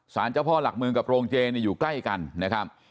เจ้าพ่อหลักเมืองกับโรงเจอยู่ใกล้กันนะครับ